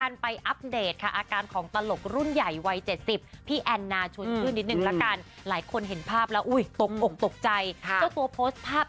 ไปอัปเดตค่ะอาการของตลกรุ่นใหญ่วัย๗๐พี่แอนนาชวนชื่นนิดนึงละกันหลายคนเห็นภาพแล้วอุ้ยตกอกตกใจเจ้าตัวโพสต์ภาพ